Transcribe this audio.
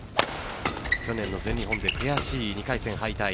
去年の全日本で悔しい２回戦敗退。